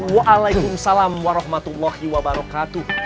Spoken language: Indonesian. waalaikumsalam warahmatullahi wabarakatuh